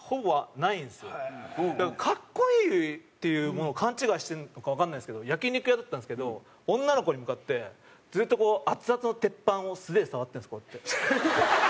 だから格好いいっていうものを勘違いしてるのかわかんないですけど焼肉屋だったんですけど女の子に向かってずっとこうアツアツの鉄板を素手で触ってるんですこうやって。